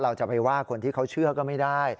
เราจะไปว่าคนที่เขาเชื่อก็ไม่ได้